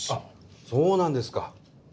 そうなんですか。